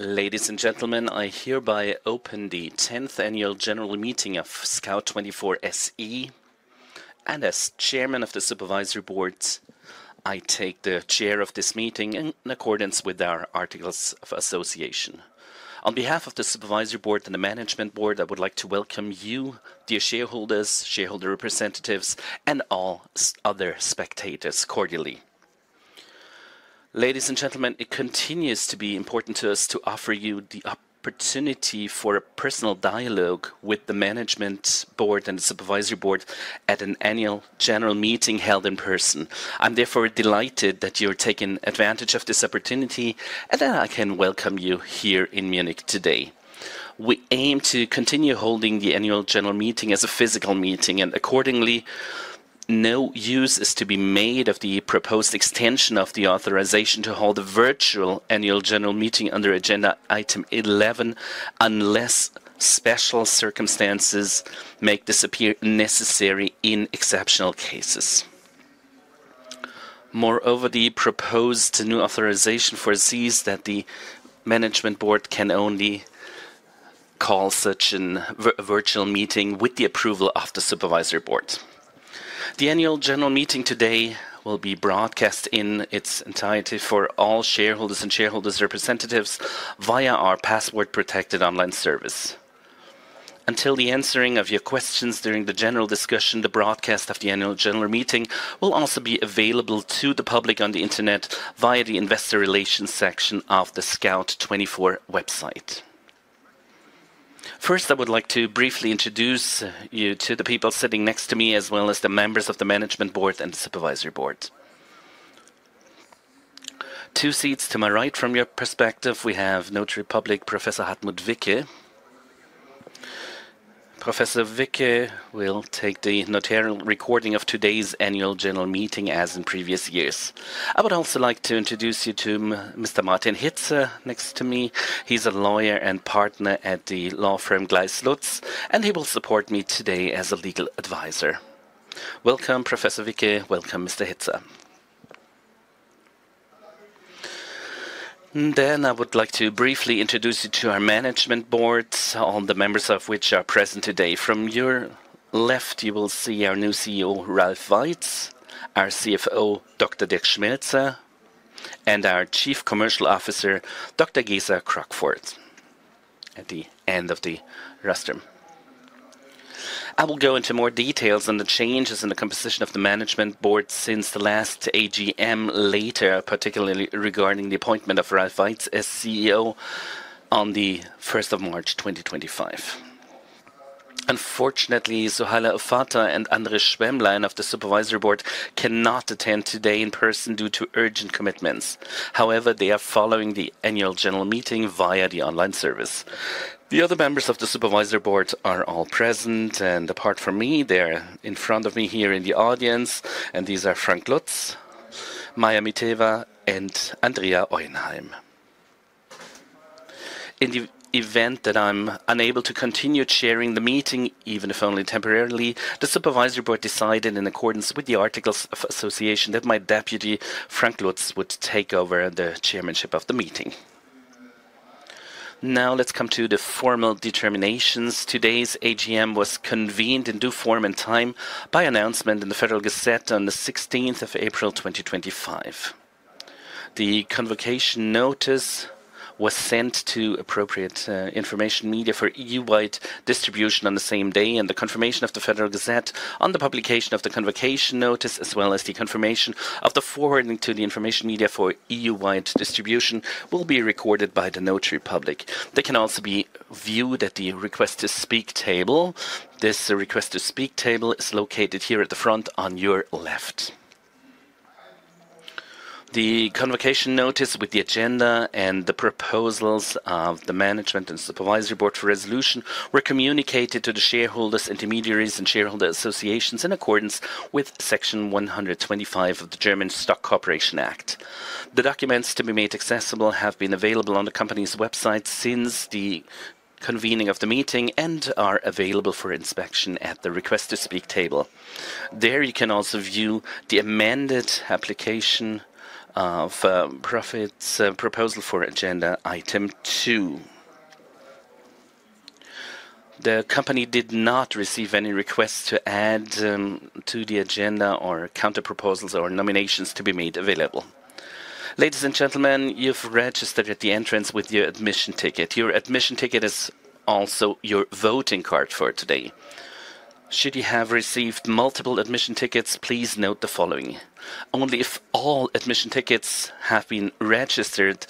Ladies and gentlemen, I hereby open the 10th Annual General Meeting of Scout24 SE. As Chairman of the Supervisory Board, I take the chair of this meeting in accordance with our Articles of Association. On behalf of the Supervisory Board and the Management Board, I would like to welcome you, dear shareholders, shareholder representatives, and all other spectators cordially. Ladies and gentlemen, it continues to be important to us to offer you the opportunity for a personal dialogue with the Management Board and the Supervisory Board at an Annual General Meeting held in person. I'm therefore delighted that you're taking advantage of this opportunity, and that I can welcome you here in Munich today. We aim to continue holding the Annual General Meeting as a physical meeting, and accordingly, no use is to be made of the proposed extension of the authorization to hold a virtual Annual General Meeting under Agenda Item 11 unless special circumstances make this appear necessary in exceptional cases. Moreover, the proposed new authorization foresees that the Management Board can only call such a virtual meeting with the approval of the Supervisory Board. The Annual General Meeting today will be broadcast in its entirety for all shareholders and shareholders' representatives via our password-protected online service. Until the answering of your questions during the general discussion, the broadcast of the Annual General Meeting will also be available to the public on the internet via the Investor Relations section of the Scout24 SE website. First, I would like to briefly introduce you to the people sitting next to me, as well as the members of the Management Board and the Supervisory Board. Two seats to my right. From your perspective, we have Notary Public Professor Hartmut Wicke. Professor Wicke will take the notarial recording of today's Annual General Meeting as in previous years. I would also like to introduce you to Mr. Martin Hitzer next to me. He's a lawyer and partner at the law firm Gleiss Lutz, and he will support me today as a legal advisor. Welcome, Professor Wicke. Welcome, Mr. Hitzer. I would like to briefly introduce you to our Management Board, all the members of which are present today. From your left, you will see our new CEO, Ralf Weitz, our CFO, Dr. Dirk Schmelzer, and our Chief Commercial Officer, Dr. Gesa Crockford, at the end of the roster. I will go into more details on the changes in the composition of the Management Board since the last AGM later, particularly regarding the appointment of Ralf Weitz as CEO on the 1st of March 2025. Unfortunately, Zuhal Özkan and André Schwemmlein of the Supervisory Board cannot attend today in person due to urgent commitments. However, they are following the Annual General Meeting via the online service. The other members of the Supervisory Board are all present, and apart from me, they're in front of me here in the audience, and these are Frank Lutz, Maja Miteva, and Andrea Auerheim. In the event that I'm unable to continue chairing the meeting, even if only temporarily, the Supervisory Board decided in accordance with the Articles of Association that my deputy, Frank Lutz, would take over the chairmanship of the meeting. Now let's come to the formal determinations. Today's AGM was convened in due form and time by announcement in the Federal Gazette on the 16th of April 2025. The convocation notice was sent to appropriate information media for EU-wide distribution on the same day, and the confirmation of the Federal Gazette on the publication of the convocation notice, as well as the confirmation of the forwarding to the information media for EU-wide distribution, will be recorded by the Notary Public. They can also be viewed at the Request to Speak table. This Request to Speak table is located here at the front on your left. The convocation notice with the agenda and the proposals of the Management and Supervisory Board for resolution were communicated to the shareholders, intermediaries, and shareholder associations in accordance with Section 125 of the German Stock Corporation Act. The documents to be made accessible have been available on the company's website since the convening of the meeting and are available for inspection at the Request to Speak table. There you can also view the amended application of profits proposal for agenda item two. The company did not receive any requests to add to the agenda or counter proposals or nominations to be made available. Ladies and gentlemen, you've registered at the entrance with your admission ticket. Your admission ticket is also your voting card for today. Should you have received multiple admission tickets, please note the following. Only if all admission tickets have been registered,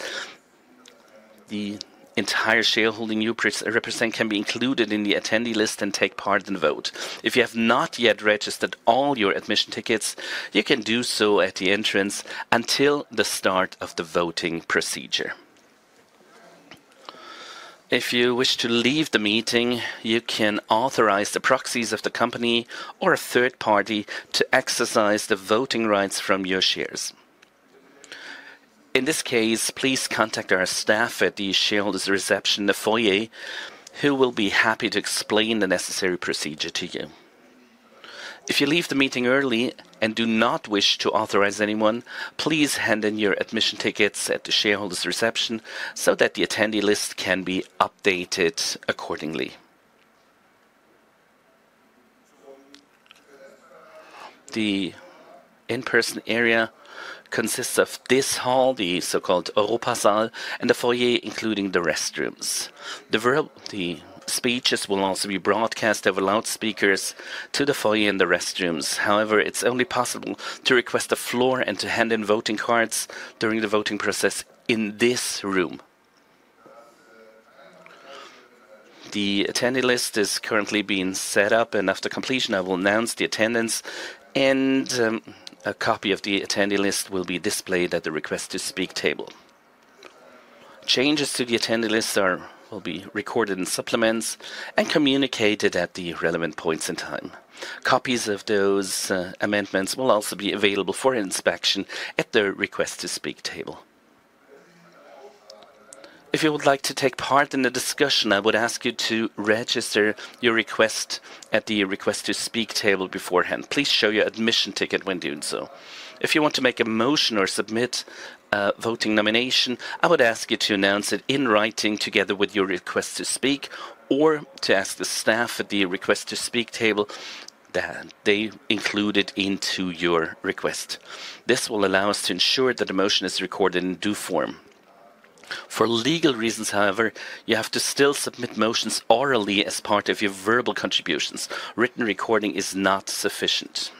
the entire shareholding you represent can be included in the attendee list and take part in the vote. If you have not yet registered all your admission tickets, you can do so at the entrance until the start of the voting procedure. If you wish to leave the meeting, you can authorize the proxies of the company or a third party to exercise the voting rights from your shares. In this case, please contact our staff at the shareholders' reception, the foyer, who will be happy to explain the necessary procedure to you. If you leave the meeting early and do not wish to authorize anyone, please hand in your admission tickets at the shareholders' reception so that the attendee list can be updated accordingly. The in-person area consists of this hall, the so-called Europasaal, and the foyer, including the restrooms. The speeches will also be broadcast over loudspeakers to the foyer and the restrooms. However, it's only possible to request a floor and to hand in voting cards during the voting process in this room. The attendee list is currently being set up, and after completion, I will announce the attendance, and a copy of the attendee list will be displayed at the Request to Speak table. Changes to the attendee list will be recorded in supplements and communicated at the relevant points in time. Copies of those amendments will also be available for inspection at the Request to Speak table. If you would like to take part in the discussion, I would ask you to register your request at the Request to Speak table beforehand. Please show your admission ticket when doing so. If you want to make a motion or submit a voting nomination, I would ask you to announce it in writing together with your Request to Speak or to ask the staff at the Request to Speak table that they include it into your request. This will allow us to ensure that the motion is recorded in due form. For legal reasons, however, you have to still submit motions orally as part of your verbal contributions. Written recording is not sufficient.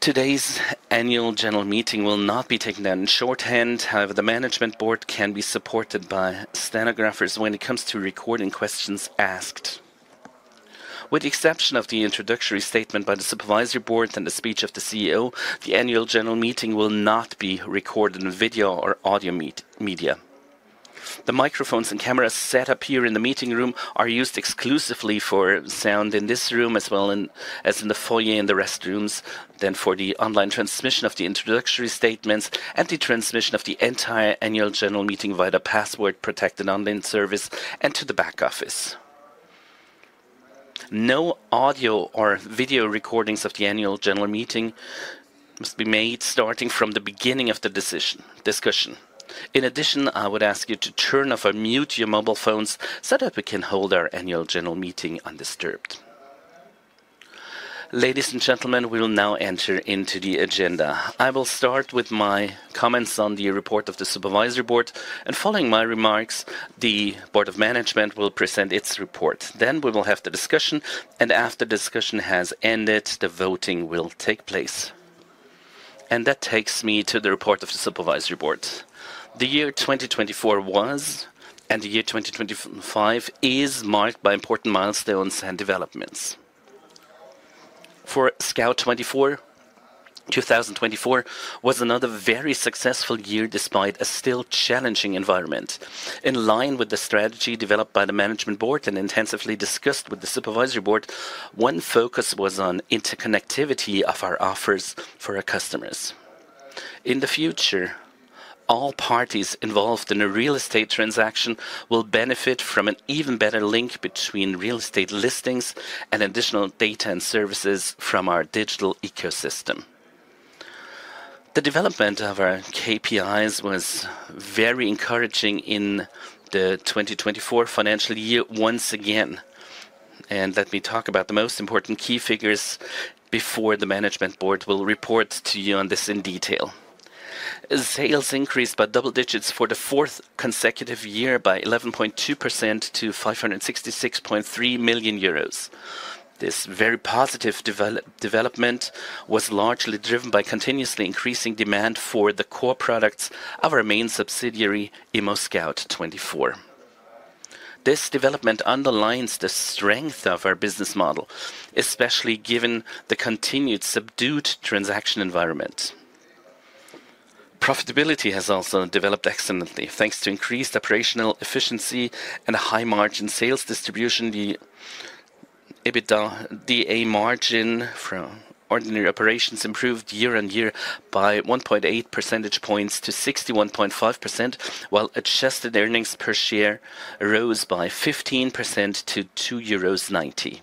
Today's Annual General Meeting will not be taken down in shorthand. However, the Management Board can be supported by stenographers when it comes to recording questions asked. With the exception of the introductory statement by the Supervisory Board and the speech of the CEO, the Annual General Meeting will not be recorded in video or audio media. The microphones and cameras set up here in the meeting room are used exclusively for sound in this room as well as in the foyer and the restrooms, then for the online transmission of the introductory statements and the transmission of the entire Annual General Meeting via the password-protected online service and to the back office. No audio or video recordings of the Annual General Meeting must be made starting from the beginning of the decision discussion. In addition, I would ask you to turn off or mute your mobile phones so that we can hold our Annual General Meeting undisturbed. Ladies and gentlemen, we will now enter into the agenda. I will start with my comments on the report of the Supervisory Board, and following my remarks, the Board of Management will present its report. Then we will have the discussion, and after the discussion has ended, the voting will take place. That takes me to the report of the Supervisory Board. The year 2024 was and the year 2025 is marked by important milestones and developments. For Scout24 SE, 2024 was another very successful year despite a still challenging environment. In line with the strategy developed by the Management Board and intensively discussed with the Supervisory Board, one focus was on interconnectivity of our offers for our customers. In the future, all parties involved in a real estate transaction will benefit from an even better link between real estate listings and additional data and services from our digital ecosystem. The development of our KPIs was very encouraging in the 2024 financial year once again. Let me talk about the most important key figures before the Management Board will report to you on this in detail. Sales increased by double digits for the fourth consecutive year by 11.2% to 566.3 million euros. This very positive development was largely driven by continuously increasing demand for the core products of our main subsidiary, ImmobilienScout24. This development underlines the strength of our business model, especially given the continued subdued transaction environment. Profitability has also developed excellently. Thanks to increased operational efficiency and a high margin sales distribution, the EBITDA margin for ordinary operations improved year on year by 1.8 percentage points to 61.5%, while adjusted earnings per share rose by 15% to EUR 2.90.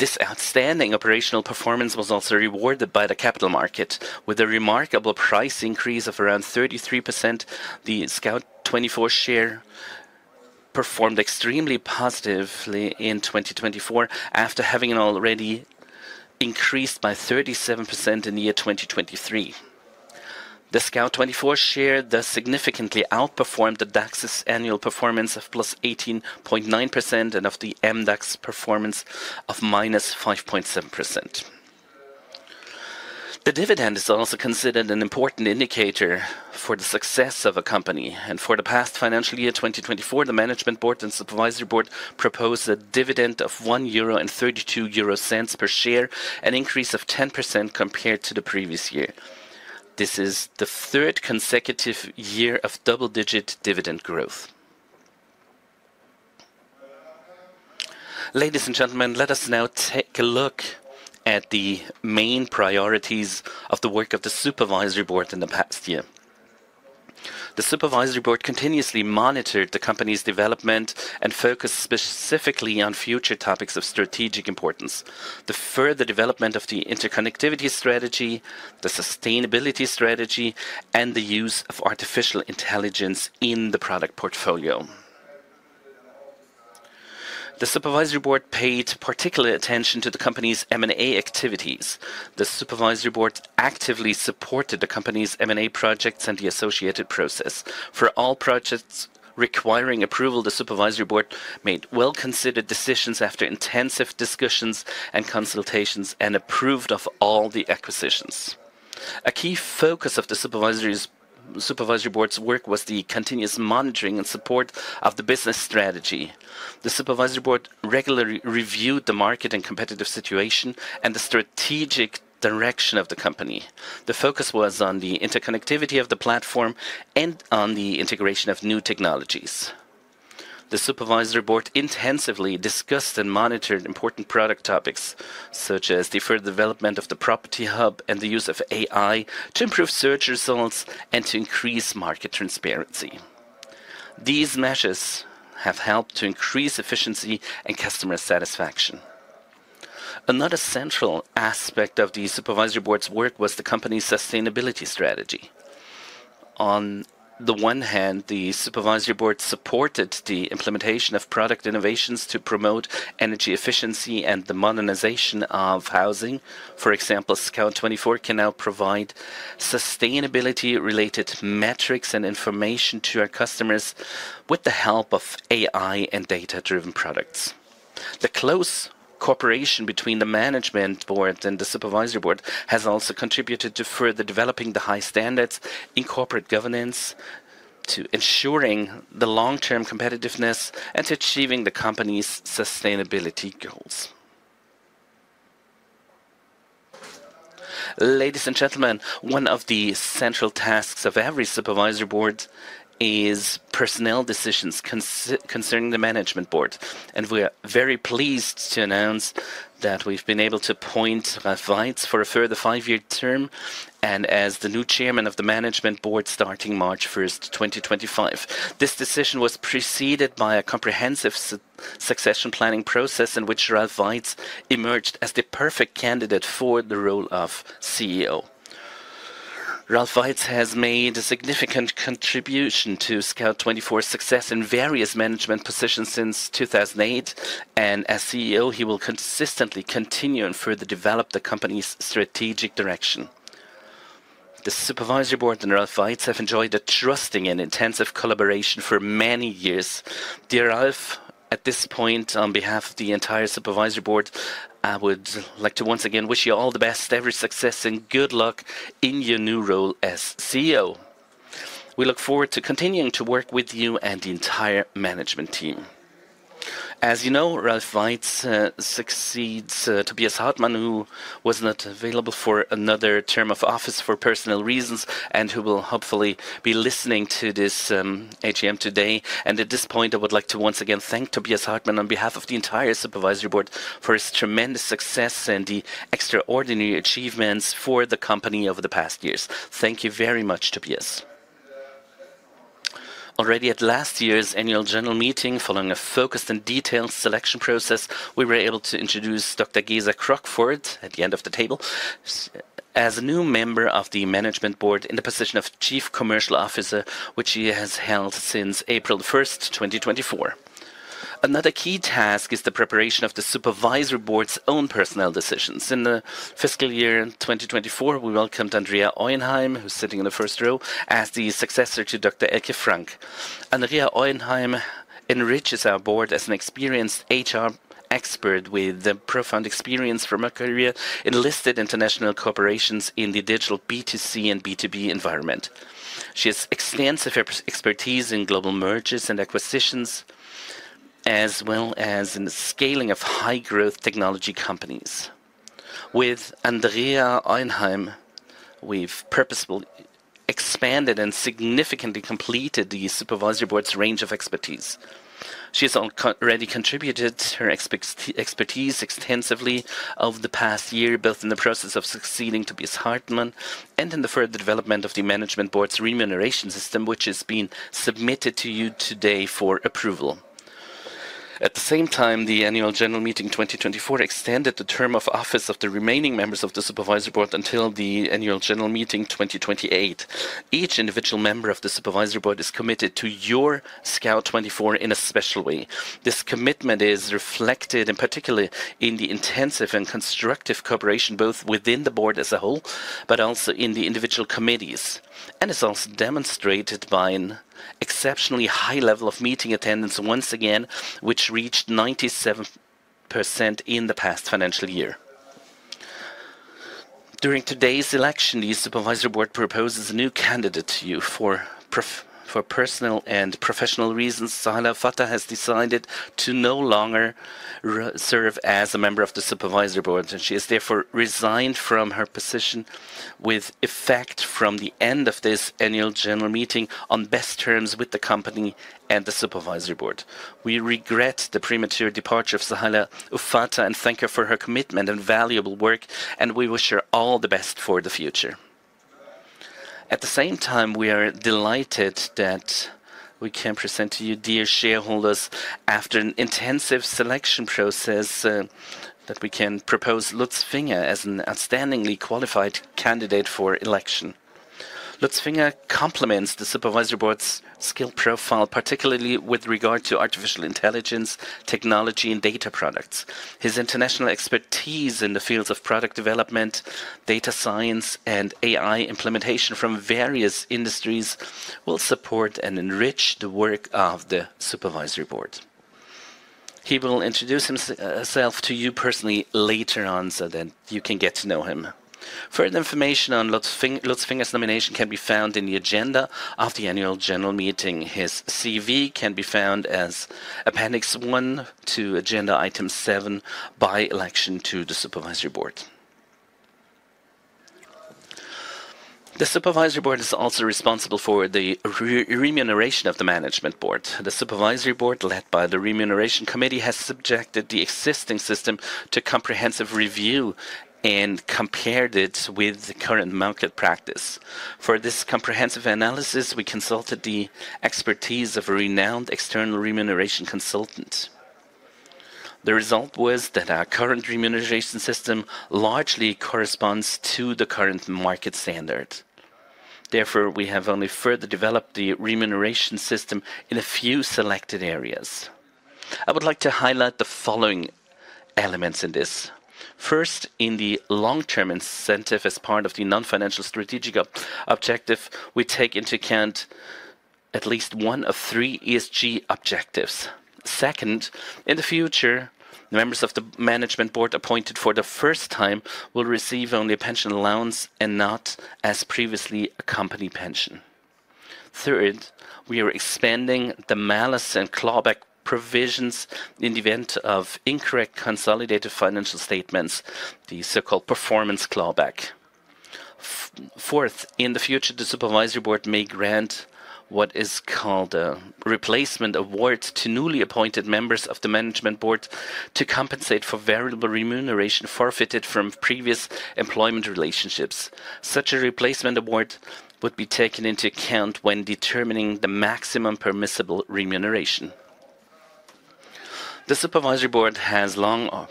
This outstanding operational performance was also rewarded by the capital market. With a remarkable price increase of around 33%, the Scout24 share performed extremely positively in 2024 after having already increased by 37% in the year 2023. The Scout24 share significantly outperformed the DAX's annual performance of plus 18.9% and of the MDAX performance of minus 5.7%. The dividend is also considered an important indicator for the success of a company. For the past financial year 2024, the Management Board and Supervisory Board proposed a dividend of 1.32 euro per share, an increase of 10% compared to the previous year. This is the third consecutive year of double-digit dividend growth. Ladies and gentlemen, let us now take a look at the main priorities of the work of the Supervisory Board in the past year. The Supervisory Board continuously monitored the company's development and focused specifically on future topics of strategic importance: the further development of the interconnectivity strategy, the sustainability strategy, and the use of artificial intelligence in the product portfolio. The Supervisory Board paid particular attention to the company's M&A activities. The Supervisory Board actively supported the company's M&A projects and the associated process. For all projects requiring approval, the Supervisory Board made well-considered decisions after intensive discussions and consultations and approved of all the acquisitions. A key focus of the Supervisory Board's work was the continuous monitoring and support of the business strategy. The Supervisory Board regularly reviewed the market and competitive situation and the strategic direction of the company. The focus was on the interconnectivity of the platform and on the integration of new technologies. The Supervisory Board intensively discussed and monitored important product topics such as the further development of the Property Hub and the use of AI to improve search results and to increase market transparency. These measures have helped to increase efficiency and customer satisfaction. Another central aspect of the Supervisory Board's work was the company's sustainability strategy. On the one hand, the Supervisory Board supported the implementation of product innovations to promote energy efficiency and the modernization of housing. For example, Scout24 can now provide sustainability-related metrics and information to our customers with the help of AI and data-driven products. The close cooperation between the Management Board and the Supervisory Board has also contributed to further developing the high standards in corporate governance, to ensuring the long-term competitiveness, and to achieving the company's sustainability goals. Ladies and gentlemen, one of the central tasks of every Supervisory Board is personnel decisions concerning the Management Board. We are very pleased to announce that we've been able to appoint Ralf Weitz for a further five-year term and as the new Chairman of the Management Board starting March 1, 2025. This decision was preceded by a comprehensive succession planning process in which Ralf Weitz emerged as the perfect candidate for the role of CEO. Ralf Weitz has made a significant contribution to Scout24's success in various management positions since 2008, and as CEO, he will consistently continue and further develop the company's strategic direction. The Supervisory Board and Ralf Weitz have enjoyed a trusting and intensive collaboration for many years. Dear Ralf, at this point, on behalf of the entire Supervisory Board, I would like to once again wish you all the best, every success, and good luck in your new role as CEO. We look forward to continuing to work with you and the entire management team. As you know, Ralf Weitz succeeds Tobias Hartmann, who was not available for another term of office for personal reasons and who will hopefully be listening to this AGM today. At this point, I would like to once again thank Tobias Hartmann on behalf of the entire Supervisory Board for his tremendous success and the extraordinary achievements for the company over the past years. Thank you very much, Tobias. Already at last year's Annual General Meeting, following a focused and detailed selection process, we were able to introduce Dr. Gesa Crockford at the end of the table as a new member of the Management Board in the position of Chief Commercial Officer, which she has held since April 1, 2024. Another key task is the preparation of the Supervisory Board's own personnel decisions. In the fiscal year 2024, we welcomed Andrea Auerheim, who's sitting in the first row, as the successor to Dr. Elke Frank. Andrea Auerheim enriches our board as an experienced HR expert with profound experience from her career in listed international corporations in the digital B2C and B2B environment. She has extensive expertise in global mergers and acquisitions, as well as in the scaling of high-growth technology companies. With Andrea Auerheim, we've purposefully expanded and significantly completed the Supervisory Board's range of expertise. She has already contributed her expertise extensively over the past year, both in the process of succeeding Tobias Hartmann and in the further development of the Management Board's remuneration system, which has been submitted to you today for approval. At the same time, the Annual General Meeting 2024 extended the term of office of the remaining members of the Supervisory Board until the Annual General Meeting 2028. Each individual member of the Supervisory Board is committed to your Scout24 in a special way. This commitment is reflected in particular in the intensive and constructive cooperation both within the board as a whole, but also in the individual committees. It is also demonstrated by an exceptionally high level of meeting attendance, once again, which reached 97% in the past financial year. During today's election, the Supervisory Board proposes a new candidate to you for personal and professional reasons. Sahla Fattah has decided to no longer serve as a member of the Supervisory Board, and she has therefore resigned from her position with effect from the end of this Annual General Meeting on best terms with the company and the Supervisory Board. We regret the premature departure of Sahla Fattah and thank her for her commitment and valuable work, and we wish her all the best for the future. At the same time, we are delighted that we can present to you, dear shareholders, after an intensive selection process, that we can propose Lutz Finger as an outstandingly qualified candidate for election. Lutz Finger complements the Supervisory Board's skill profile, particularly with regard to artificial intelligence, technology, and data products. His international expertise in the fields of product development, data science, and AI implementation from various industries will support and enrich the work of the Supervisory Board. He will introduce himself to you personally later on so that you can get to know him. Further information on Lutz Finger's nomination can be found in the agenda of the Annual General Meeting. His CV can be found as Appendix 1 to Agenda Item 7 by election to the Supervisory Board. The Supervisory Board is also responsible for the remuneration of the Management Board. The Supervisory Board, led by the Remuneration Committee, has subjected the existing system to comprehensive review and compared it with the current market practice. For this comprehensive analysis, we consulted the expertise of a renowned external remuneration consultant. The result was that our current remuneration system largely corresponds to the current market standard. Therefore, we have only further developed the remuneration system in a few selected areas. I would like to highlight the following elements in this. First, in the long-term incentive, as part of the non-financial strategic objective, we take into account at least one of three ESG objectives. Second, in the future, members of the Management Board appointed for the first time will receive only a pension allowance and not, as previously, a company pension. Third, we are expanding the malice and clawback provisions in the event of incorrect consolidated financial statements, the so-called performance clawback. Fourth, in the future, the Supervisory Board may grant what is called a replacement award to newly appointed members of the Management Board to compensate for variable remuneration forfeited from previous employment relationships. Such a replacement award would be taken into account when determining the maximum permissible remuneration. The Supervisory Board has long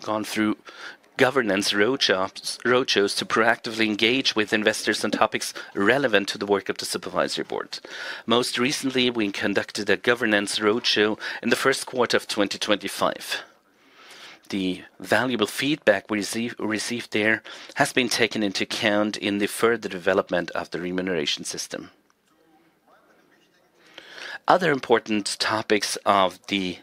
gone through governance roadshows to proactively engage with investors on topics relevant to the work of the Supervisory Board. Most recently, we conducted a governance roadshow in the first quarter of 2025. The valuable feedback we received there has been taken into account in the further development of the remuneration system. Other important topics of the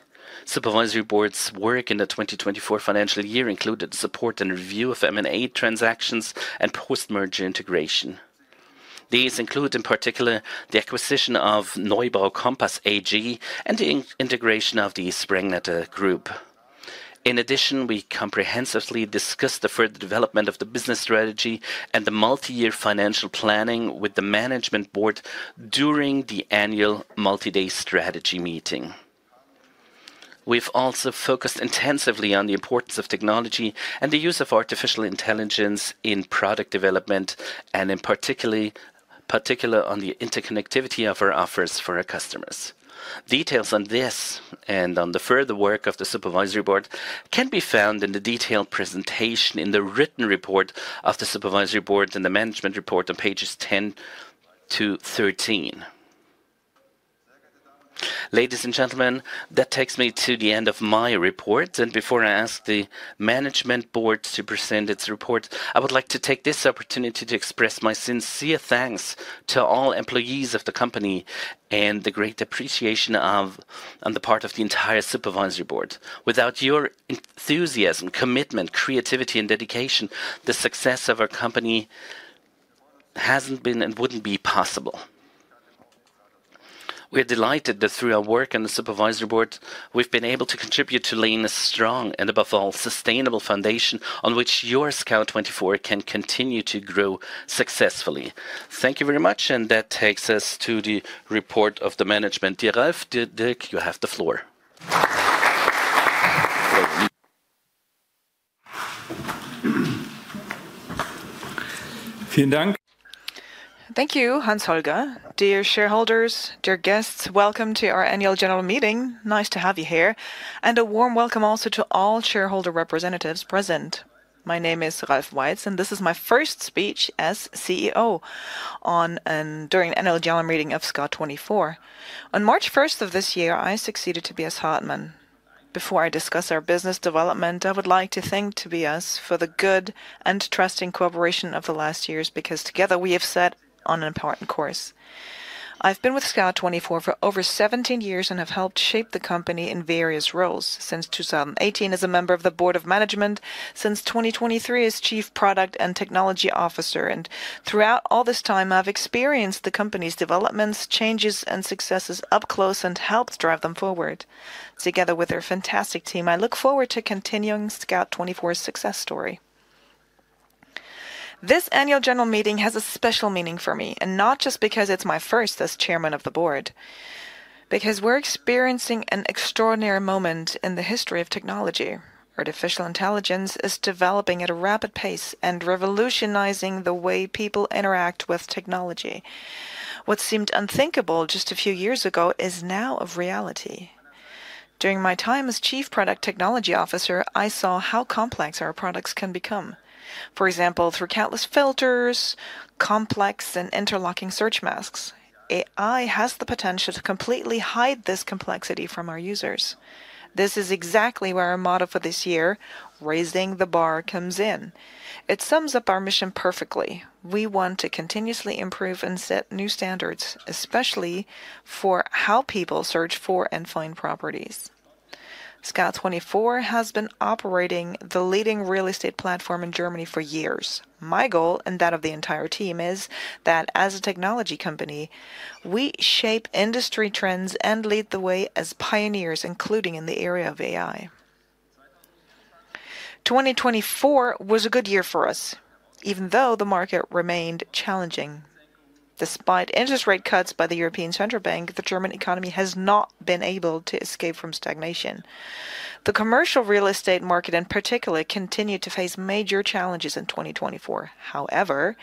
Supervisory Board's work in the 2024 financial year included support and review of M&A transactions and post-merger integration. These include, in particular, the acquisition of Neubau Compass AG and the integration of the Sprengnetter Group. In addition, we comprehensively discussed the further development of the business strategy and the multi-year financial planning with the Management Board during the annual multi-day strategy meeting. We've also focused intensively on the importance of technology and the use of artificial intelligence in product development and in particular on the interconnectivity of our offers for our customers. Details on this and on the further work of the Supervisory Board can be found in the detailed presentation in the written report of the Supervisory Board and the Management Report on pages 10 to 13. Ladies and gentlemen, that takes me to the end of my report. Before I ask the Management Board to present its report, I would like to take this opportunity to express my sincere thanks to all employees of the company and the great appreciation on the part of the entire Supervisory Board. Without your enthusiasm, commitment, creativity, and dedication, the success of our company hasn't been and wouldn't be possible. We are delighted that through our work and the Supervisory Board, we've been able to contribute to laying a strong and, above all, sustainable foundation on which your Scout24 can continue to grow successfully. Thank you very much, and that takes us to the report of the Management. Dear Ralf, Dirk, you have the floor. Vielen Dank. Thank you, Hans-Holger. Dear shareholders, dear guests, welcome to our Annual General Meeting. Nice to have you here. A warm welcome also to all shareholder representatives present. My name is Ralf Weitz, and this is my first speech as CEO during the Annual General Meeting of Scout24. On March 1 of this year, I succeeded Tobias Hartmann. Before I discuss our business development, I would like to thank Tobias for the good and trusting cooperation of the last years because together we have set on an important course. I've been with Scout24 for over 17 years and have helped shape the company in various roles. Since 2018, as a member of the Board of Management, since 2023, as Chief Product and Technology Officer. Throughout all this time, I've experienced the company's developments, changes, and successes up close and helped drive them forward. Together with our fantastic team, I look forward to continuing Scout24's success story. This Annual General Meeting has a special meaning for me, and not just because it's my first as Chairman of the Board, because we're experiencing an extraordinary moment in the history of technology. Artificial intelligence is developing at a rapid pace and revolutionizing the way people interact with technology. What seemed unthinkable just a few years ago is now a reality. During my time as Chief Product Technology Officer, I saw how complex our products can become. For example, through countless filters, complex and interlocking search masks, AI has the potential to completely hide this complexity from our users. This is exactly where our motto for this year, "Raising the Bar," comes in. It sums up our mission perfectly. We want to continuously improve and set new standards, especially for how people search for and find properties. Scout24 has been operating the leading real estate platform in Germany for years. My goal, and that of the entire team, is that as a technology company, we shape industry trends and lead the way as pioneers, including in the area of AI. 2024 was a good year for us, even though the market remained challenging. Despite interest rate cuts by the European Central Bank, the German economy has not been able to escape from stagnation. The commercial real estate market, in particular, continued to face major challenges in 2024. However,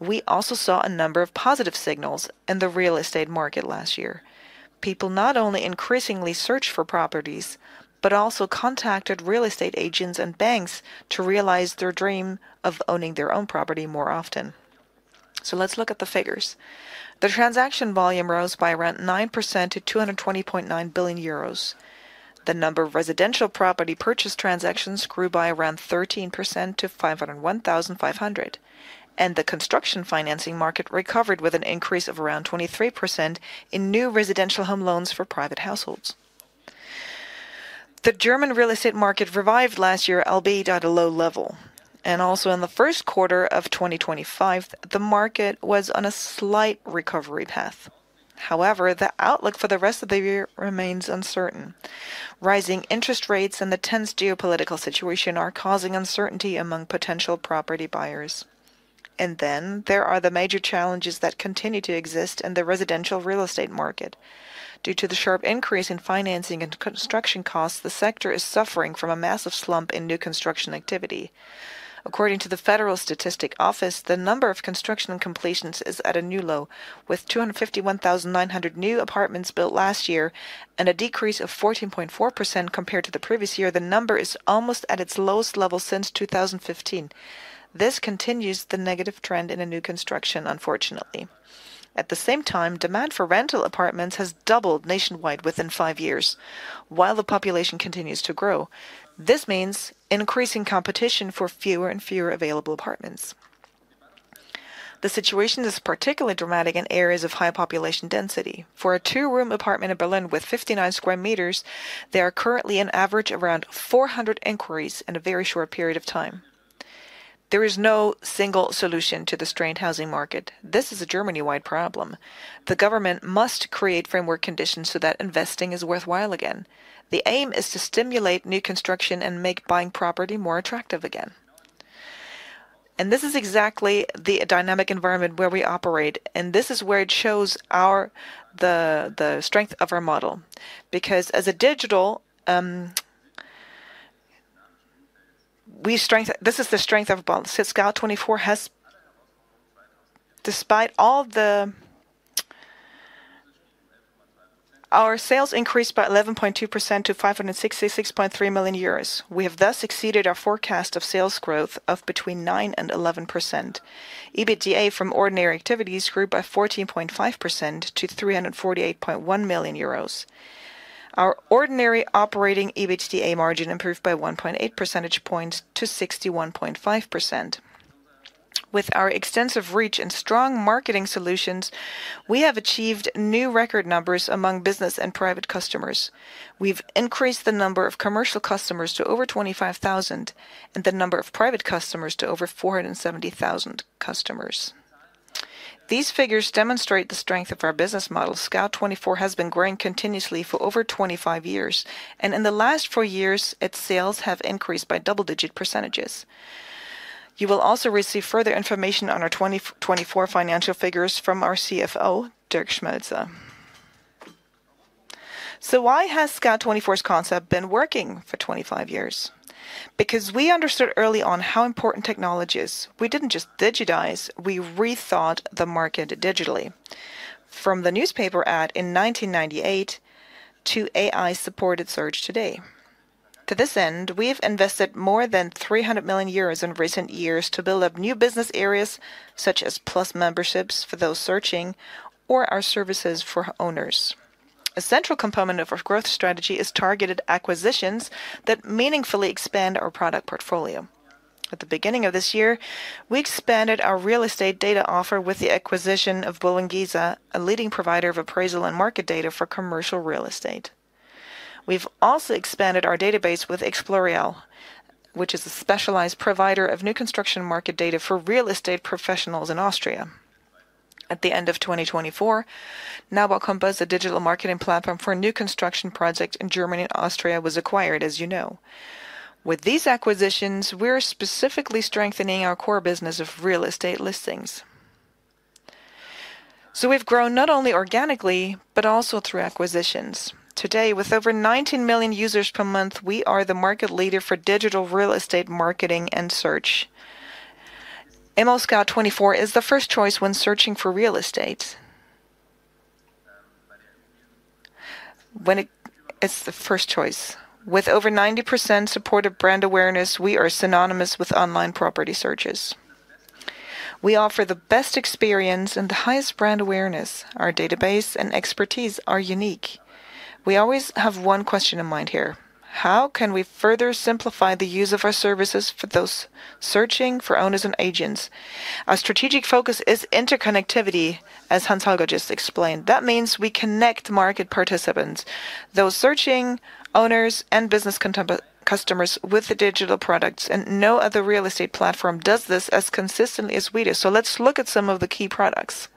we also saw a number of positive signals in the real estate market last year. People not only increasingly searched for properties, but also contacted real estate agents and banks to realize their dream of owning their own property more often. Let's look at the figures. The transaction volume rose by around 9% to 220.9 billion euros. The number of residential property purchase transactions grew by around 13% to 501,500. The construction financing market recovered with an increase of around 23% in new residential home loans for private households. The German real estate market revived last year, albeit at a low level. Also in the first quarter of 2025, the market was on a slight recovery path. However, the outlook for the rest of the year remains uncertain. Rising interest rates and the tense geopolitical situation are causing uncertainty among potential property buyers. There are major challenges that continue to exist in the residential real estate market. Due to the sharp increase in financing and construction costs, the sector is suffering from a massive slump in new construction activity. According to the Federal Statistic Office, the number of construction completions is at a new low. With 251,900 new apartments built last year and a decrease of 14.4% compared to the previous year, the number is almost at its lowest level since 2015. This continues the negative trend in new construction, unfortunately. At the same time, demand for rental apartments has doubled nationwide within five years, while the population continues to grow. This means increasing competition for fewer and fewer available apartments. The situation is particularly dramatic in areas of high population density. For a two-room apartment in Berlin with 59 sq m, there are currently an average of around 400 inquiries in a very short period of time. There is no single solution to the strained housing market. This is a Germany-wide problem. The government must create framework conditions so that investing is worthwhile again. The aim is to stimulate new construction and make buying property more attractive again. This is exactly the dynamic environment where we operate, and this is where it shows the strength of our model. Because as a digital, this is the strength of Scout24. Despite all the, our sales increased by 11.2% to 566.3 million euros. We have thus exceeded our forecast of sales growth of between 9% and 11%. EBITDA from ordinary activities grew by 14.5% to 348.1 million euros. Our ordinary operating EBITDA margin improved by 1.8 percentage points to 61.5%. With our extensive reach and strong marketing solutions, we have achieved new record numbers among business and private customers. We've increased the number of commercial customers to over 25,000 and the number of private customers to over 470,000 customers. These figures demonstrate the strength of our business model. Scout24 has been growing continuously for over 25 years, and in the last four years, its sales have increased by double-digit %. You will also receive further information on our 2024 financial figures from our CFO, Dirk Schmelzer. Why has Scout24's concept been working for 25 years? Because we understood early on how important technology is. We didn't just digitize; we rethought the market digitally. From the newspaper ad in 1998 to AI-supported search today. To this end, we have invested more than 300 million euros in recent years to build up new business areas such as plus memberships for those searching or our services for owners. A central component of our growth strategy is targeted acquisitions that meaningfully expand our product portfolio. At the beginning of this year, we expanded our real estate data offer with the acquisition of Boll & Giza, a leading provider of appraisal and market data for commercial real estate. We've also expanded our database with Explorial, which is a specialized provider of new construction market data for real estate professionals in Austria. At the end of 2024, Neubau Compass, a digital marketing platform for a new construction project in Germany and Austria, was acquired, as you know. With these acquisitions, we're specifically strengthening our core business of real estate listings. We've grown not only organically, but also through acquisitions. Today, with over 19 million users per month, we are the market leader for digital real estate marketing and search. ImmobilienScout24 is the first choice when searching for real estate. When it's the first choice. With over 90% support of brand awareness, we are synonymous with online property searches. We offer the best experience and the highest brand awareness. Our database and expertise are unique. We always have one question in mind here. How can we further simplify the use of our services for those searching for owners and agents? Our strategic focus is interconnectivity, as Hans-Holger just explained. That means we connect market participants, those searching, owners, and business customers with the digital products. No other real estate platform does this as consistently as we do. Let's look at some of the key products.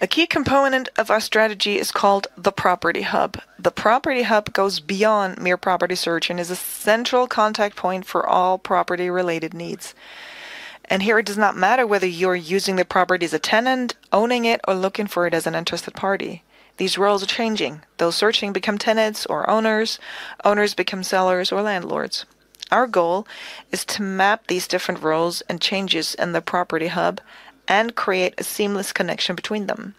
A key component of our strategy is called the Property Hub. The Property Hub goes beyond mere property search and is a central contact point for all property-related needs. It does not matter whether you're using the property as a tenant, owning it, or looking for it as an interested party. These roles are changing. Those searching become tenants or owners. Owners become sellers or landlords. Our goal is to map these different roles and changes in the Property Hub and create a seamless connection between them.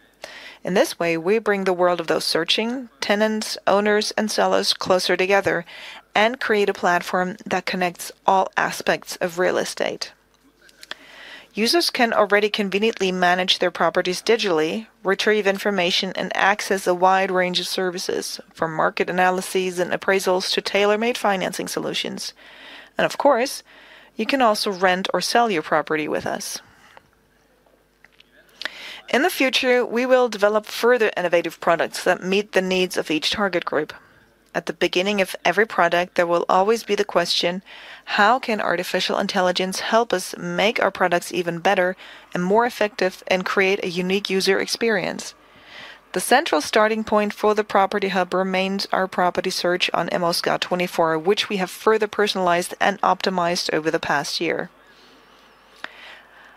In this way, we bring the world of those searching, tenants, owners, and sellers closer together and create a platform that connects all aspects of real estate. Users can already conveniently manage their properties digitally, retrieve information, and access a wide range of services, from market analyses and appraisals to tailor-made financing solutions. You can also rent or sell your property with us. In the future, we will develop further innovative products that meet the needs of each target group. At the beginning of every product, there will always be the question, how can artificial intelligence help us make our products even better and more effective and create a unique user experience? The central starting point for the Property Hub remains our property search on ImmobilienScout24, which we have further personalized and optimized over the past year.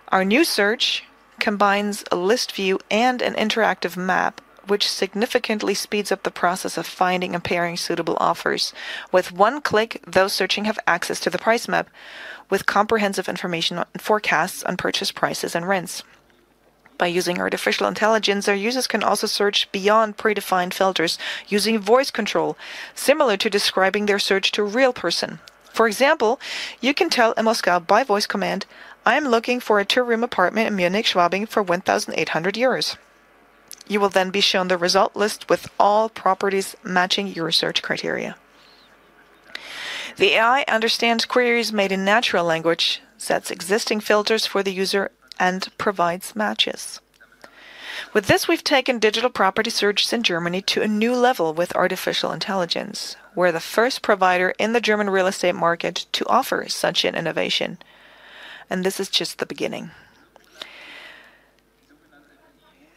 Our new search combines a list view and an interactive map, which significantly speeds up the process of finding and pairing suitable offers. With one click, those searching have access to the price map with comprehensive information on forecasts, on purchase prices, and rents. By using artificial intelligence, our users can also search beyond predefined filters using voice control, similar to describing their search to a real person. For example, you can tell ML Scout by voice command, "I'm looking for a two-room apartment in Munich, Schwabing, for 1,800 euros." You will then be shown the result list with all properties matching your search criteria. The AI understands queries made in natural language, sets existing filters for the user, and provides matches. With this, we have taken digital property searches in Germany to a new level with artificial intelligence. We are the first provider in the German real estate market to offer such an innovation. This is just the beginning.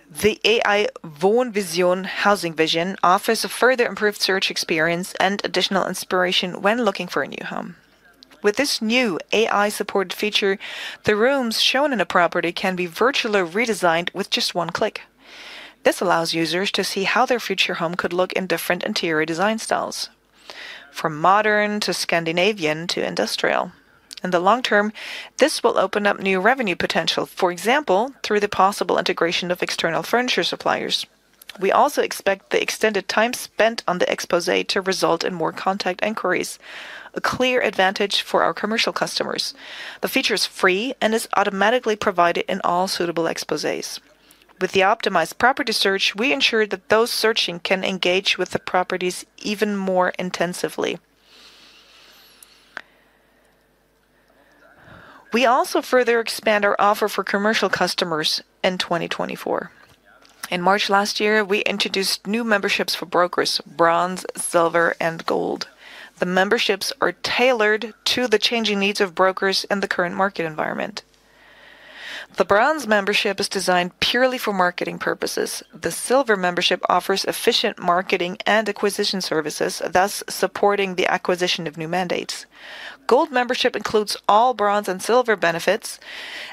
The AI Wohnvision offers a further improved search experience and additional inspiration when looking for a new home. With this new AI-supported feature, the rooms shown in a property can be virtually redesigned with just one click. This allows users to see how their future home could look in different interior design styles, from modern to Scandinavian to industrial. In the long term, this will open up new revenue potential, for example, through the possible integration of external furniture suppliers. We also expect the extended time spent on the exposé to result in more contact inquiries, a clear advantage for our commercial customers. The feature is free and is automatically provided in all suitable exposés. With the optimized property search, we ensure that those searching can engage with the properties even more intensively. We also further expand our offer for commercial customers in 2024. In March last year, we introduced new memberships for brokers, bronze, silver, and gold. The memberships are tailored to the changing needs of brokers and the current market environment. The bronze membership is designed purely for marketing purposes. The Silver Membership offers efficient marketing and acquisition services, thus supporting the acquisition of new mandates. Gold Membership includes all Bronze and Silver benefits,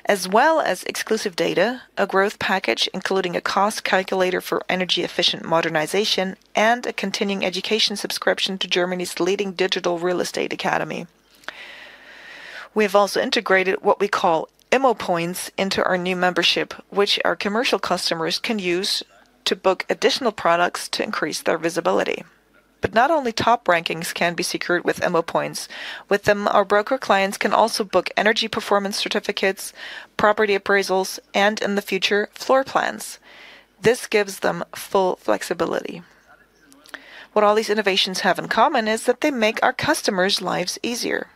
as well as exclusive data, a growth package including a cost calculator for energy-efficient modernization, and a continuing education subscription to Germany's leading digital real estate academy. We have also integrated what we call MO Points into our new membership, which our commercial customers can use to book additional products to increase their visibility. Not only top rankings can be secured with MO Points. With them, our broker clients can also book energy performance certificates, property appraisals, and in the future, floor plans. This gives them full flexibility. What all these innovations have in common is that they make our customers' lives easier.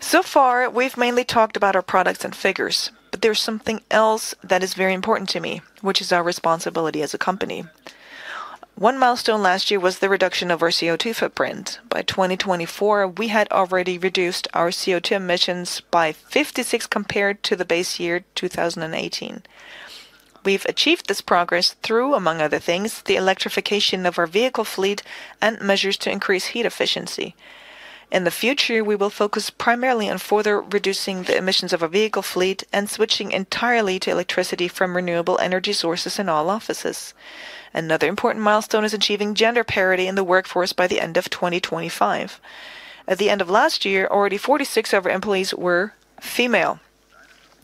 So far, we've mainly talked about our products and figures, but there's something else that is very important to me, which is our responsibility as a company. One milestone last year was the reduction of our CO2 footprint. By 2024, we had already reduced our CO2 emissions by 56% compared to the base year 2018. We've achieved this progress through, among other things, the electrification of our vehicle fleet and measures to increase heat efficiency. In the future, we will focus primarily on further reducing the emissions of our vehicle fleet and switching entirely to electricity from renewable energy sources in all offices. Another important milestone is achieving gender parity in the workforce by the end of 2025. At the end of last year, already 46% of our employees were female.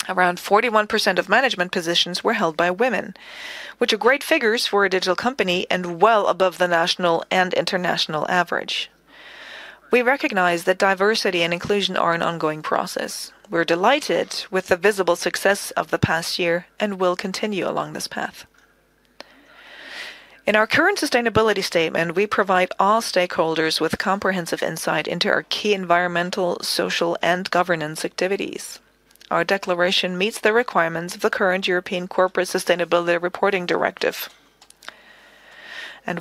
Around 41% of management positions were held by women, which are great figures for a digital company and well above the national and international average. We recognize that diversity and inclusion are an ongoing process. We're delighted with the visible success of the past year and will continue along this path. In our current sustainability statement, we provide all stakeholders with comprehensive insight into our key environmental, social, and governance activities. Our declaration meets the requirements of the current European Corporate Sustainability Reporting Directive.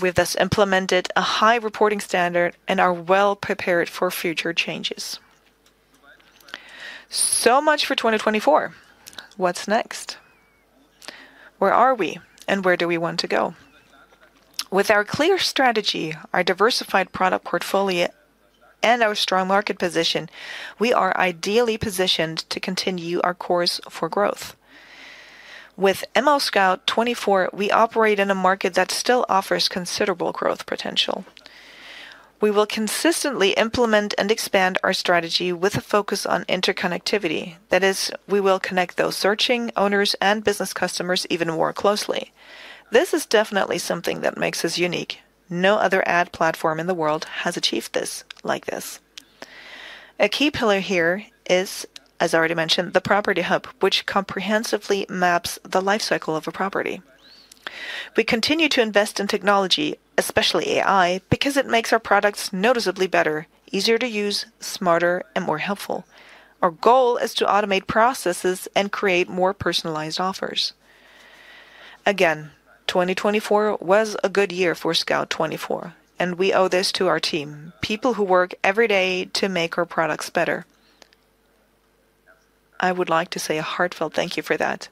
We have thus implemented a high reporting standard and are well prepared for future changes. For 2024, what's next? Where are we and where do we want to go? With our clear strategy, our diversified product portfolio, and our strong market position, we are ideally positioned to continue our course for growth. With ML Scout24, we operate in a market that still offers considerable growth potential. We will consistently implement and expand our strategy with a focus on interconnectivity. That is, we will connect those searching, owners, and business customers even more closely. This is definitely something that makes us unique. No other ad platform in the world has achieved this like this. A key pillar here is, as I already mentioned, the Property Hub, which comprehensively maps the life cycle of a property. We continue to invest in technology, especially AI, because it makes our products noticeably better, easier to use, smarter, and more helpful. Our goal is to automate processes and create more personalized offers. Again, 2024 was a good year for Scout24, and we owe this to our team, people who work every day to make our products better. I would like to say a heartfelt thank you for that.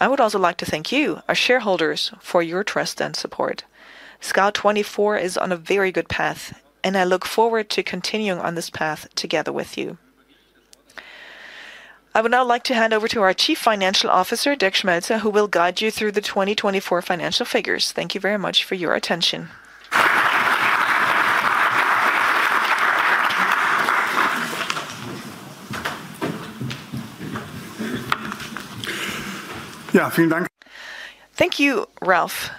I would also like to thank you, our shareholders, for your trust and support. Scout24 is on a very good path, and I look forward to continuing on this path together with you. I would now like to hand over to our Chief Financial Officer, Dirk Schmelzer, who will guide you through the 2024 financial figures. Thank you very much for your attention. Ja, vielen Dank. Thank you, Ralf.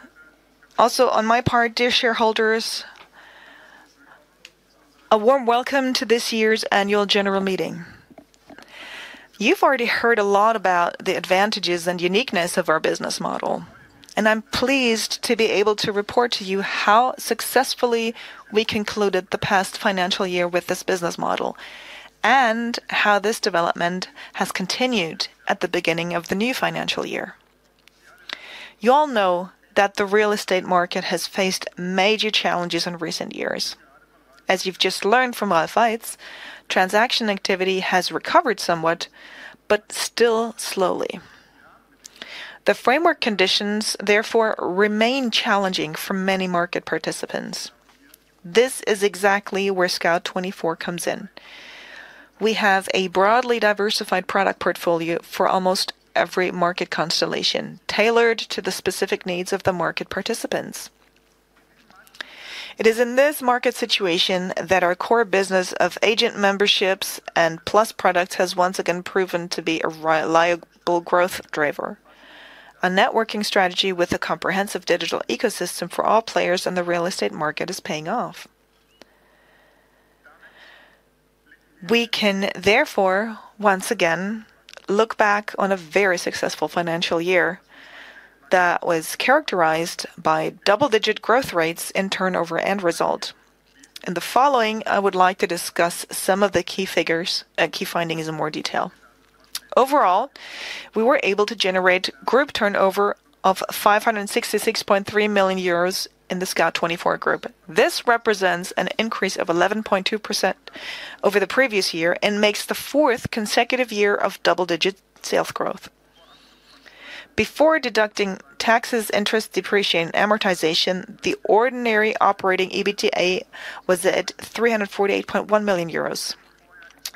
Also, on my part, dear shareholders, a warm welcome to this year's annual general meeting. You've already heard a lot about the advantages and uniqueness of our business model. I'm pleased to be able to report to you how successfully we concluded the past financial year with this business model and how this development has continued at the beginning of the new financial year. You all know that the real estate market has faced major challenges in recent years. As you've just learned from Ralf Weitz, transaction activity has recovered somewhat, but still slowly. The framework conditions, therefore, remain challenging for many market participants. This is exactly where Scout24 comes in. We have a broadly diversified product portfolio for almost every market constellation, tailored to the specific needs of the market participants. It is in this market situation that our core business of agent memberships and plus products has once again proven to be a reliable growth driver. A networking strategy with a comprehensive digital ecosystem for all players in the real estate market is paying off. We can therefore, once again, look back on a very successful financial year that was characterized by double-digit growth rates in turnover and result. In the following, I would like to discuss some of the key figures, key findings in more detail. Overall, we were able to generate group turnover of 566.3 million euros in the Scout24 group. This represents an increase of 11.2% over the previous year and makes the fourth consecutive year of double-digit sales growth. Before deducting taxes, interest, depreciation, and amortization, the ordinary operating EBITDA was at 348.1 million euros.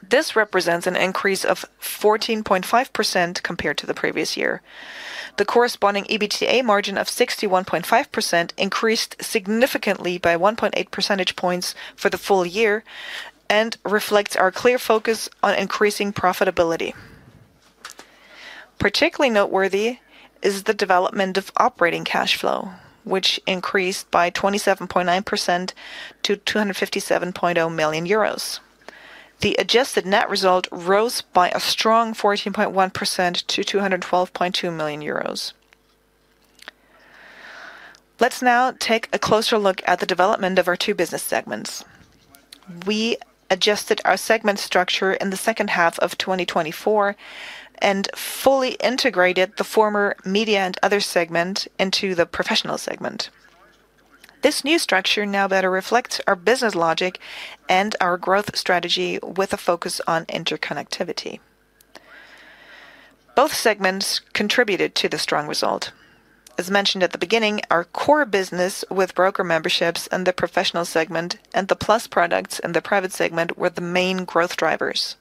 This represents an increase of 14.5% compared to the previous year. The corresponding EBITDA margin of 61.5% increased significantly by 1.8 percentage points for the full year and reflects our clear focus on increasing profitability. Particularly noteworthy is the development of operating cash flow, which increased by 27.9% to 257.0 million euros. The adjusted net result rose by a strong 14.1% to 212.2 million euros. Let's now take a closer look at the development of our two business segments. We adjusted our segment structure in the second half of 2024 and fully integrated the former media and other segment into the professional segment. This new structure now better reflects our business logic and our growth strategy with a focus on interconnectivity. Both segments contributed to the strong result. As mentioned at the beginning, our core business with broker memberships and the professional segment and the plus products in the private segment were the main growth drivers.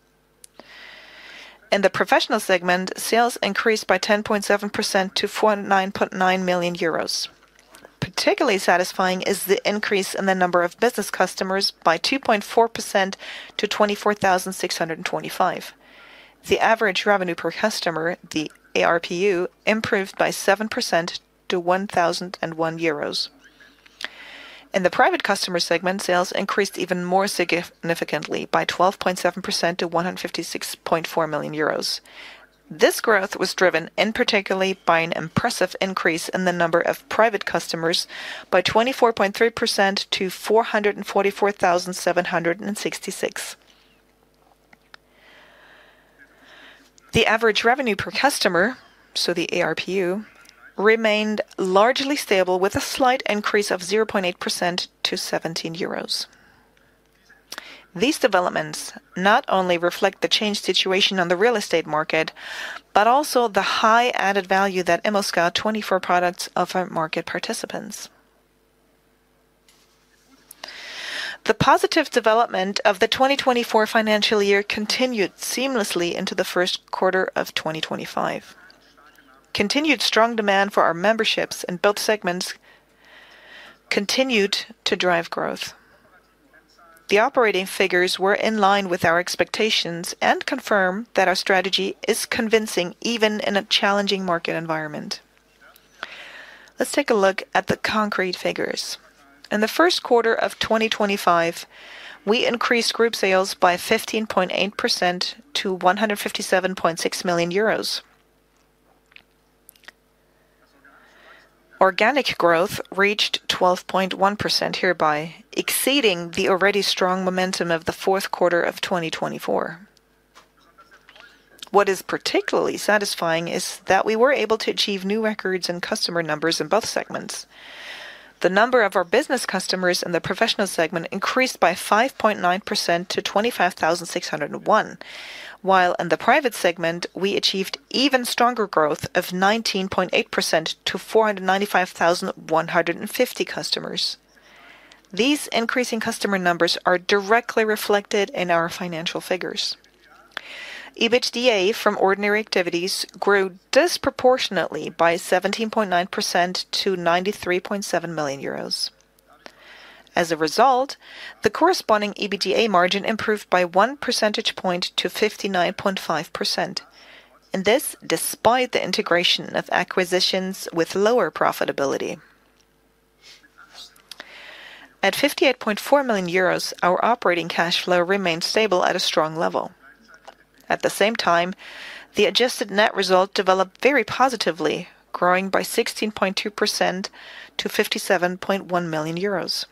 In the professional segment, sales increased by 10.7% to 409.9 million euros. Particularly satisfying is the increase in the number of business customers by 2.4% to 24,625. The average revenue per customer, the ARPU, improved by 7% to 1,001 euros. In the private customer segment, sales increased even more significantly by 12.7% to 156.4 million euros. This growth was driven in particular by an impressive increase in the number of private customers by 24.3% to 444,766. The average revenue per customer, so the ARPU, remained largely stable with a slight increase of 0.8% to 17 euros. These developments not only reflect the changed situation on the real estate market, but also the high added value that Scout24 products offer market participants. The positive development of the 2024 financial year continued seamlessly into the first quarter of 2025. Continued strong demand for our memberships and both segments continued to drive growth. The operating figures were in line with our expectations and confirm that our strategy is convincing even in a challenging market environment. Let's take a look at the concrete figures. In the first quarter of 2025, we increased group sales by 15.8% to EUR 157.6 million. Organic growth reached 12.1% hereby, exceeding the already strong momentum of the fourth quarter of 2024. What is particularly satisfying is that we were able to achieve new records in customer numbers in both segments. The number of our business customers in the professional segment increased by 5.9% to 25,601, while in the private segment, we achieved even stronger growth of 19.8% to 495,150 customers. These increasing customer numbers are directly reflected in our financial figures. EBITDA from ordinary activities grew disproportionately by 17.9% to 93.7 million euros. As a result, the corresponding EBITDA margin improved by one percentage point to 59.5%. This is despite the integration of acquisitions with lower profitability. At 58.4 million euros, our operating cash flow remained stable at a strong level. At the same time, the adjusted net result developed very positively, growing by 16.2% to 57.1 million euros.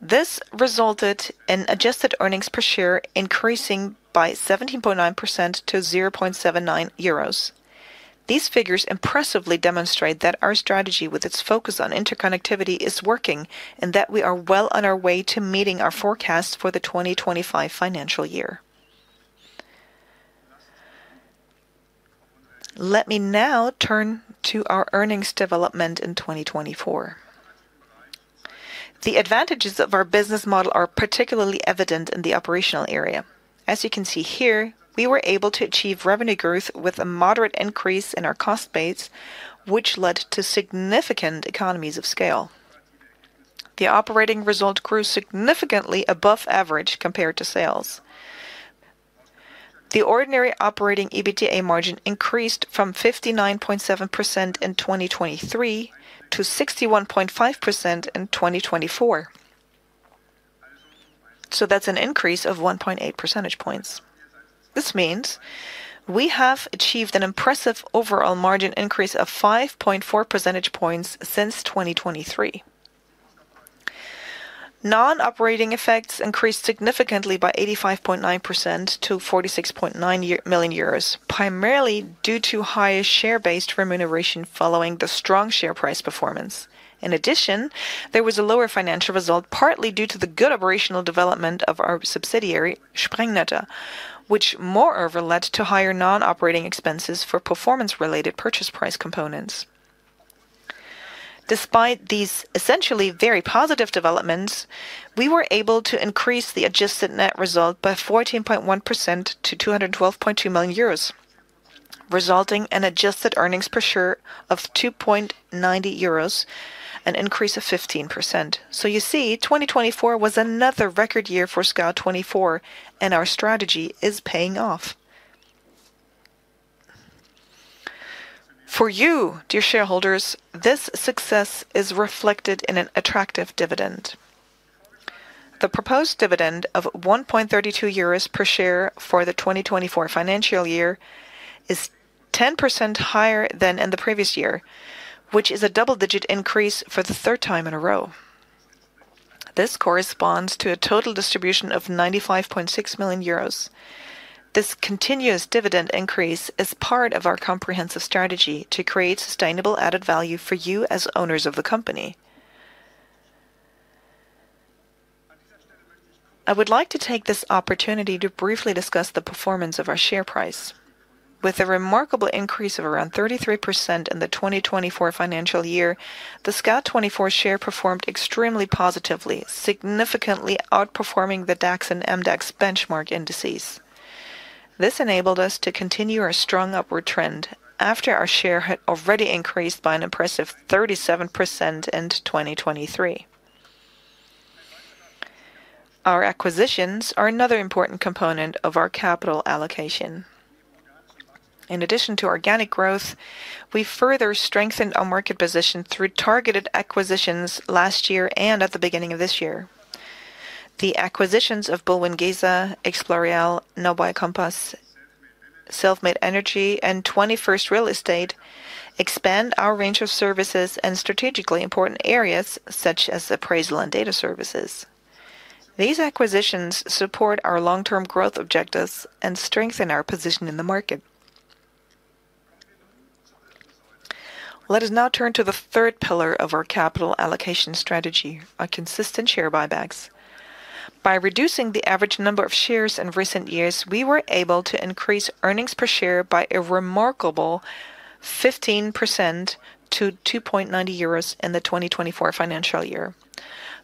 This resulted in adjusted earnings per share increasing by 17.9% to 0.79 euros. These figures impressively demonstrate that our strategy with its focus on interconnectivity is working and that we are well on our way to meeting our forecast for the 2025 financial year. Let me now turn to our earnings development in 2024. The advantages of our business model are particularly evident in the operational area. As you can see here, we were able to achieve revenue growth with a moderate increase in our cost base, which led to significant economies of scale. The operating result grew significantly above average compared to sales. The ordinary operating EBITDA margin increased from 59.7% in 2023 to 61.5% in 2024. That is an increase of 1.8 percentage points. This means we have achieved an impressive overall margin increase of 5.4 percentage points since 2023. Non-operating effects increased significantly by 85.9% to 46.9 million euros, primarily due to higher share-based remuneration following the strong share price performance. In addition, there was a lower financial result, partly due to the good operational development of our subsidiary, Sprengnetter, which moreover led to higher non-operating expenses for performance-related purchase price components. Despite these essentially very positive developments, we were able to increase the adjusted net result by 14.1% to 212.2 million euros, resulting in adjusted earnings per share of 2.90 euros, an increase of 15%. You see, 2024 was another record year for Scout24, and our strategy is paying off. For you, dear shareholders, this success is reflected in an attractive dividend. The proposed dividend of 1.32 euros per share for the 2024 financial year is 10% higher than in the previous year, which is a double-digit increase for the third time in a row. This corresponds to a total distribution of 95.6 million euros. This continuous dividend increase is part of our comprehensive strategy to create sustainable added value for you as owners of the company. I would like to take this opportunity to briefly discuss the performance of our share price. With a remarkable increase of around 33% in the 2024 financial year, the Scout24 share performed extremely positively, significantly outperforming the DAX and MDAX benchmark indices. This enabled us to continue our strong upward trend after our share had already increased by an impressive 37% in 2023. Our acquisitions are another important component of our capital allocation. In addition to organic growth, we further strengthened our market position through targeted acquisitions last year and at the beginning of this year. The acquisitions of Boll & Giza, Explorial, Neubau Compass AG, Selfmade Energy, and 21st Real Estate expand our range of services and strategically important areas such as appraisal and data services. These acquisitions support our long-term growth objectives and strengthen our position in the market. Let us now turn to the third pillar of our capital allocation strategy, our consistent share buybacks. By reducing the average number of shares in recent years, we were able to increase earnings per share by a remarkable 15% to 2.90 euros in the 2024 financial year.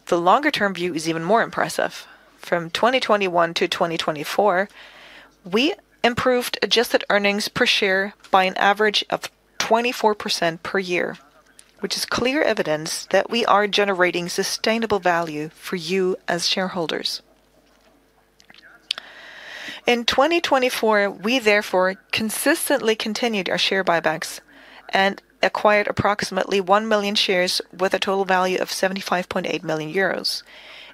The longer-term view is even more impressive. From 2021 to 2024, we improved adjusted earnings per share by an average of 24% per year, which is clear evidence that we are generating sustainable value for you as shareholders. In 2024, we therefore consistently continued our share buybacks and acquired approximately 1 million shares with a total value of 75.8 million euros.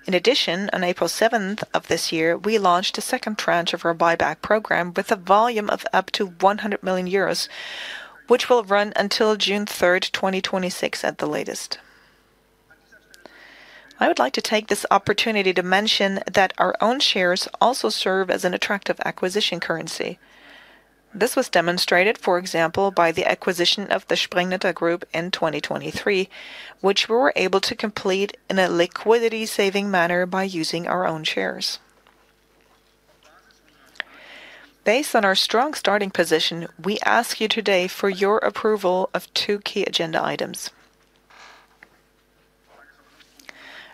In addition, on April 7th of this year, we launched a second tranche of our buyback program with a volume of up to 100 million euros, which will run until June 3rd, 2026 at the latest. I would like to take this opportunity to mention that our own shares also serve as an attractive acquisition currency. This was demonstrated, for example, by the acquisition of the Sprengnetter Group in 2023, which we were able to complete in a liquidity-saving manner by using our own shares. Based on our strong starting position, we ask you today for your approval of two key agenda items.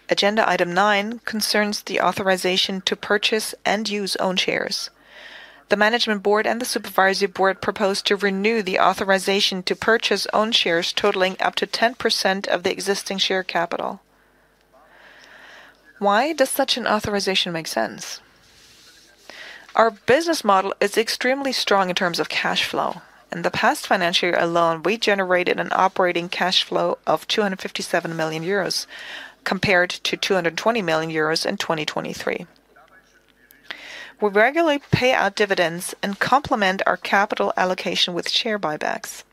Agenda item 9 concerns the authorization to purchase and use own shares. The Management Board and the Supervisory Board proposed to renew the authorization to purchase own shares totaling up to 10% of the existing share capital. Why does such an authorization make sense? Our business model is extremely strong in terms of cash flow. In the past financial year alone, we generated an operating cash flow of 257 million euros compared to 220 million euros in 2023. We regularly pay out dividends and complement our capital allocation with share buybacks.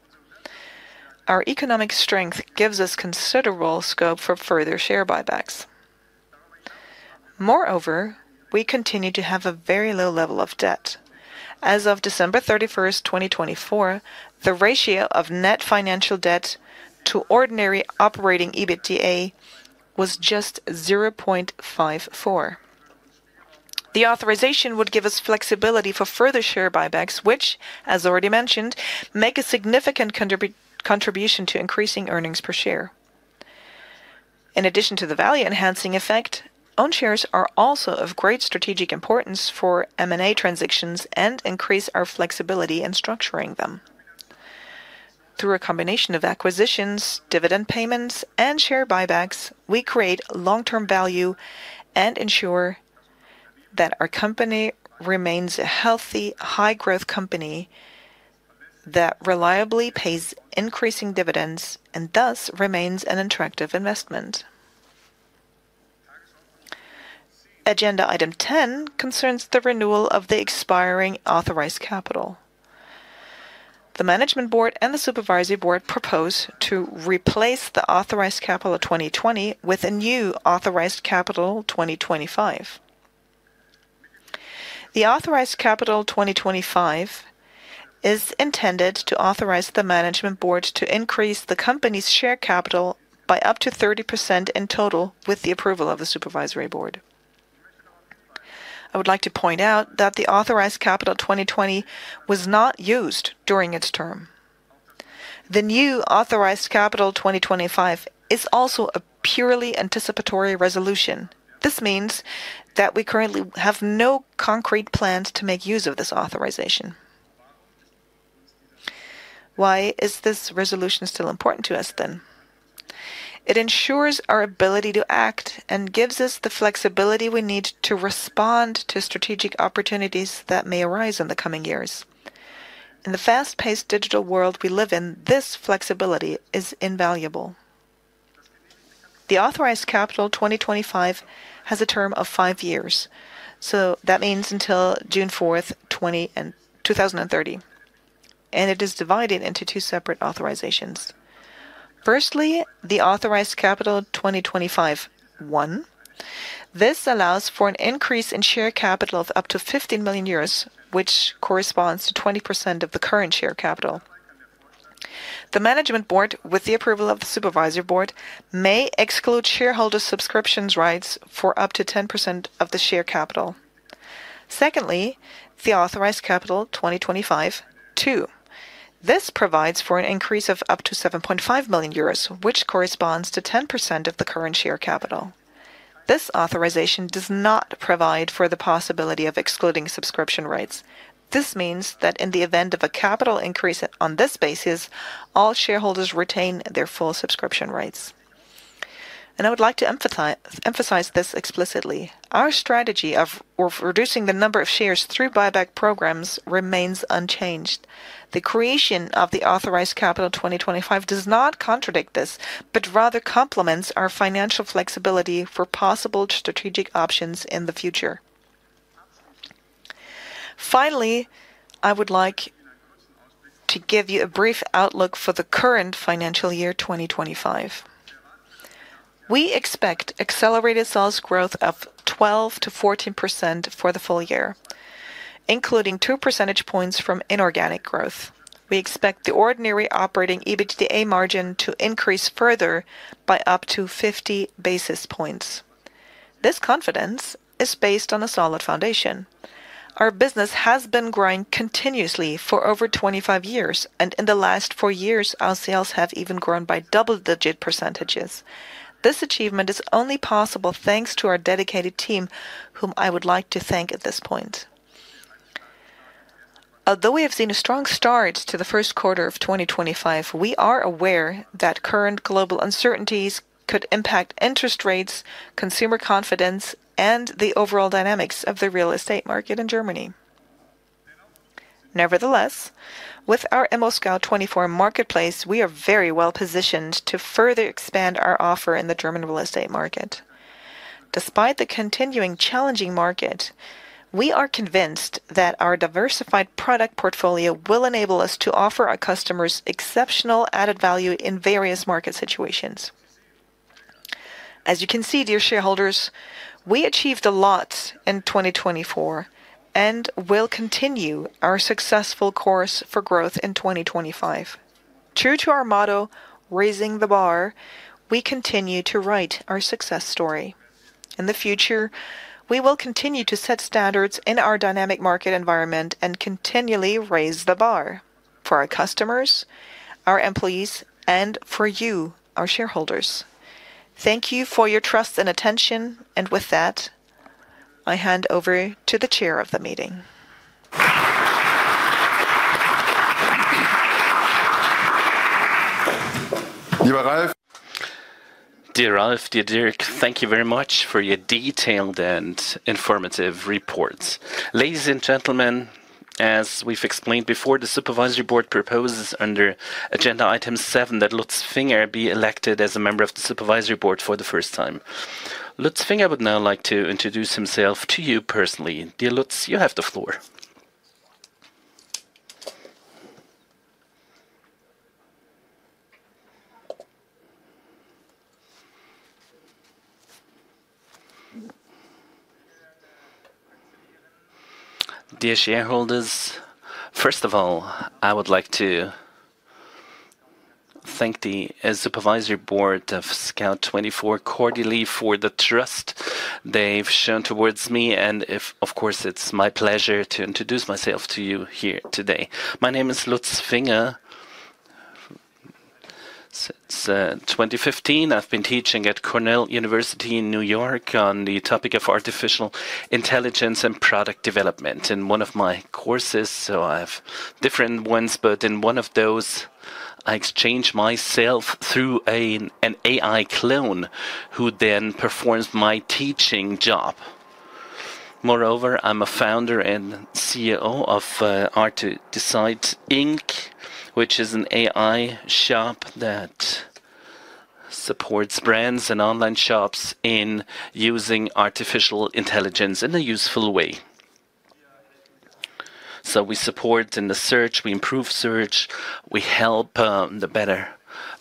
Our economic strength gives us considerable scope for further share buybacks. Moreover, we continue to have a very low level of debt. As of December 31st, 2024, the ratio of net financial debt to ordinary operating EBITDA was just 0.54. The authorization would give us flexibility for further share buybacks, which, as already mentioned, make a significant contribution to increasing earnings per share. In addition to the value-enhancing effect, own shares are also of great strategic importance for M&A transactions and increase our flexibility in structuring them. Through a combination of acquisitions, dividend payments, and share buybacks, we create long-term value and ensure that our company remains a healthy, high-growth company that reliably pays increasing dividends and thus remains an attractive investment. Agenda item 10 concerns the renewal of the expiring authorized capital. The Management Board and the Supervisory Board propose to replace the authorized capital of 2020 with a new authorized capital 2025. The authorized capital 2025 is intended to authorize the Management Board to increase the company's share capital by up to 30% in total with the approval of the Supervisory Board. I would like to point out that the authorized capital 2020 was not used during its term. The new authorized capital 2025 is also a purely anticipatory resolution. This means that we currently have no concrete plans to make use of this authorization. Why is this resolution still important to us then? It ensures our ability to act and gives us the flexibility we need to respond to strategic opportunities that may arise in the coming years. In the fast-paced digital world we live in, this flexibility is invaluable. The authorized capital 2025 has a term of five years. That means until June 4, 2030. It is divided into two separate authorizations. Firstly, the authorized capital 2025-1. This allows for an increase in share capital of up to 15 million euros, which corresponds to 20% of the current share capital. The management board, with the approval of the supervisory board, may exclude shareholder subscription rights for up to 10% of the share capital. Secondly, the authorized capital 2025-2. This provides for an increase of up to 7.5 million euros, which corresponds to 10% of the current share capital. This authorization does not provide for the possibility of excluding subscription rights. This means that in the event of a capital increase on this basis, all shareholders retain their full subscription rights. I would like to emphasize this explicitly. Our strategy of reducing the number of shares through buyback programs remains unchanged. The creation of the authorized capital 2025 does not contradict this, but rather complements our financial flexibility for possible strategic options in the future. Finally, I would like to give you a brief outlook for the current financial year 2025. We expect accelerated sales growth of 12-14% for the full year, including 2 percentage points from inorganic growth. We expect the ordinary operating EBITDA margin to increase further by up to 50 basis points. This confidence is based on a solid foundation. Our business has been growing continuously for over 25 years, and in the last four years, our sales have even grown by double-digit percentages. This achievement is only possible thanks to our dedicated team, whom I would like to thank at this point. Although we have seen a strong start to the first quarter of 2025, we are aware that current global uncertainties could impact interest rates, consumer confidence, and the overall dynamics of the real estate market in Germany. Nevertheless, with our ImmobilienScout24 marketplace, we are very well positioned to further expand our offer in the German real estate market. Despite the continuing challenging market, we are convinced that our diversified product portfolio will enable us to offer our customers exceptional added value in various market situations. As you can see, dear shareholders, we achieved a lot in 2024 and will continue our successful course for growth in 2025. True to our motto, raising the bar, we continue to write our success story. In the future, we will continue to set standards in our dynamic market environment and continually raise the bar for our customers, our employees, and for you, our shareholders. Thank you for your trust and attention, and with that, I hand over to the chair of the meeting. Lieber Ralf. Dear Ralf, dear Dirk, thank you very much for your detailed and informative reports. Ladies and gentlemen, as we've explained before, the Supervisory Board proposes under agenda item 7 that Lutz Finger be elected as a member of the Supervisory Board for the first time. Lutz Finger would now like to introduce himself to you personally. Dear Lutz, you have the floor. Dear shareholders, first of all, I would like to thank the Supervisory Board of Scout24 cordially for the trust they've shown towards me, and of course, it's my pleasure to introduce myself to you here today. My name is Lutz Finger. Since 2015, I've been teaching at Cornell University in New York on the topic of artificial intelligence and product development in one of my courses. I have different ones, but in one of those, I exchange myself through an AI clone who then performs my teaching job. Moreover, I'm a founder and CEO of R2Decide LLC, which is an AI shop that supports brands and online shops in using artificial intelligence in a useful way. We support in the search, we improve search, we help the better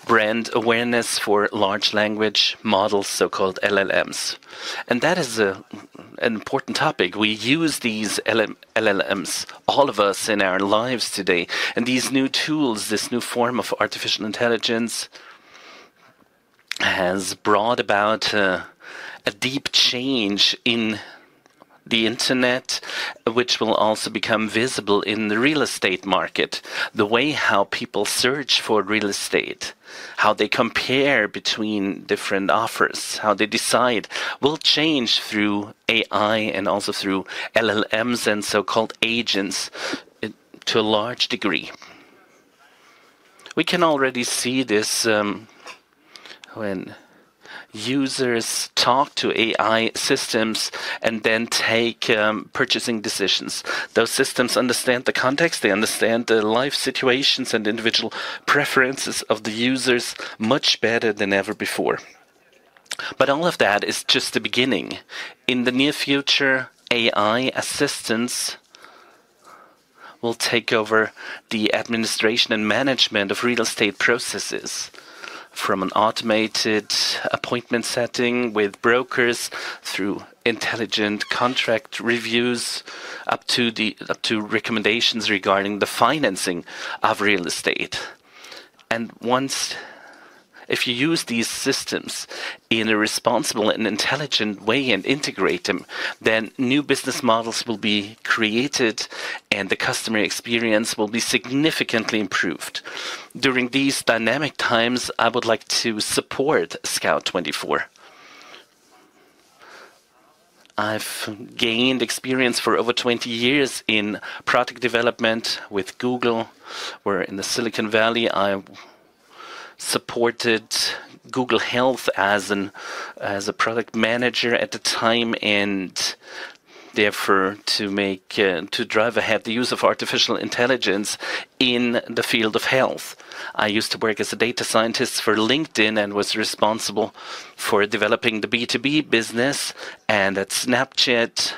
brand awareness for large language models, so-called LLMs. That is an important topic. We use these LLMs, all of us, in our lives today. These new tools, this new form of artificial intelligence, has brought about a deep change in the internet, which will also become visible in the real estate market. The way how people search for real estate, how they compare between different offers, how they decide, will change through AI and also through LLMs and so-called agents to a large degree. We can already see this when users talk to AI systems and then take purchasing decisions. Those systems understand the context, they understand the life situations and individual preferences of the users much better than ever before. All of that is just the beginning. In the near future, AI assistants will take over the administration and management of real estate processes from an automated appointment setting with brokers through intelligent contract reviews up to recommendations regarding the financing of real estate. If you use these systems in a responsible and intelligent way and integrate them, then new business models will be created and the customer experience will be significantly improved. During these dynamic times, I would like to support Scout24 SE. I've gained experience for over 20 years in product development with Google. We were in Silicon Valley. I supported Google Health as a product manager at the time and therefore to drive ahead the use of artificial intelligence in the field of health. I used to work as a data scientist for LinkedIn and was responsible for developing the B2B business. At Snapchat,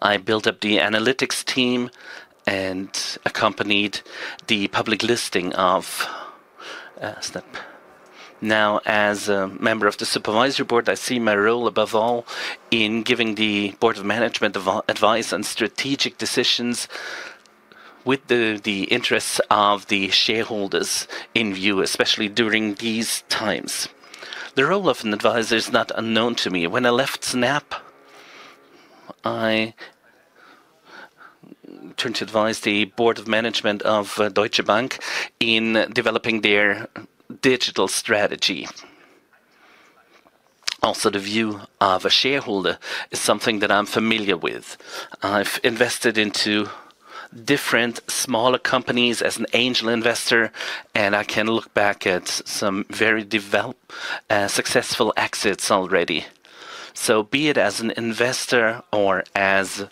I built up the analytics team and accompanied the public listing of Snap. Now, as a member of the Supervisory Board, I see my role above all in giving the Board of Management advice on strategic decisions with the interests of the shareholders in view, especially during these times. The role of an advisor is not unknown to me. When I left Snap, I turned to advise the Board of Management of Deutsche Bank in developing their digital strategy. Also, the view of a shareholder is something that I'm familiar with. I've invested into different smaller companies as an angel investor, and I can look back at some very successful exits already. Be it as an investor or as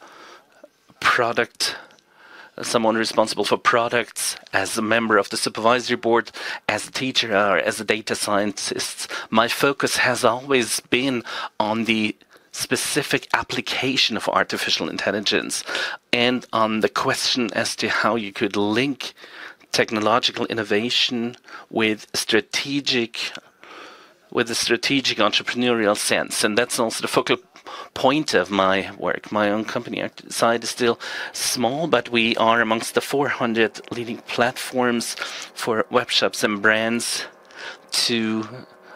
someone responsible for products, as a member of the Supervisory Board, as a teacher, or as a data scientist, my focus has always been on the specific application of artificial intelligence and on the question as to how you could link technological innovation with a strategic entrepreneurial sense. That is also the focal point of my work. My own company side is still small, but we are amongst the 400 leading platforms for web shops and brands to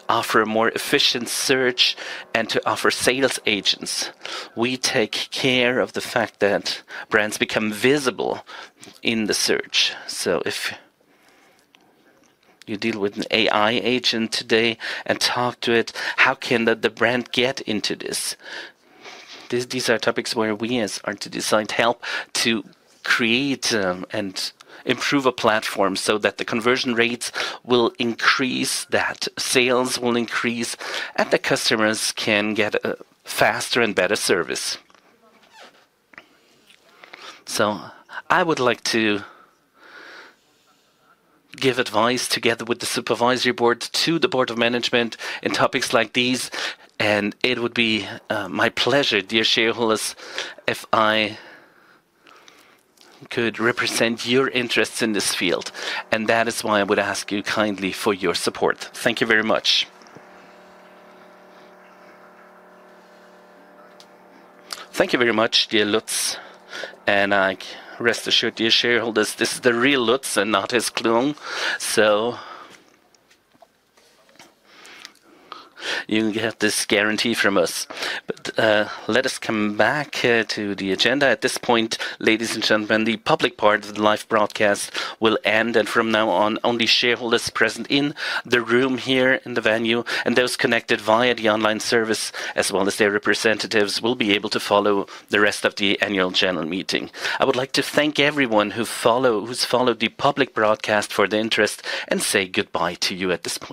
offer a more efficient search and to offer sales agents. We take care of the fact that brands become visible in the search. If you deal with an AI agent today and talk to it, how can the brand get into this? These are topics where we at R2Decide LLC help to create and improve a platform so that the conversion rates will increase, that sales will increase, and the customers can get a faster and better service. I would like to give advice together with the Supervisory Board to the Board of Management in topics like these, and it would be my pleasure, dear shareholders, if I could represent your interests in this field. That is why I would ask you kindly for your support. Thank you very much. Thank you very much, dear Lutz. I rest assured, dear shareholders, this is the real Lutz and not his clone. You will get this guarantee from us. Let us come back to the agenda at this point. Ladies and gentlemen, the public part of the live broadcast will end, and from now on, only shareholders present in the room here in the venue and those connected via the online service, as well as their representatives, will be able to follow the rest of the annual general meeting. I would like to thank everyone who's followed the public broadcast for the interest and say goodbye to you at this point.